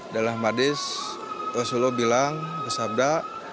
dalam hadis rasulullah bilang bersabda